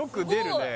・ねえ